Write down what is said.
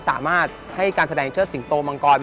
สามารถให้การแสดงเชิดสิงโตมังกร